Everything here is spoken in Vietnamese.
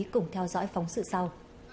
cùng theo dõi phóng sự sau